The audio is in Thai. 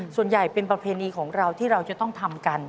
ส่วนใหญ่เป็นประเพณีของเราที่เราจะต้องทำกัน